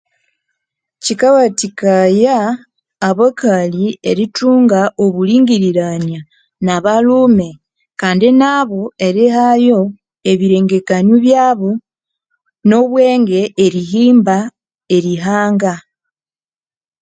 Kikawatikaya abakali eritunga obulingirirania nabalhume kandi nabo erihayo ebirengekanio byabu nobwenge erihimba erihanga